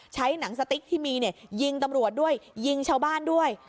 ใช้หนังสติ๊กที่มีเนี่ยยิงตำรวจด้วยยิงชาวบ้านด้วย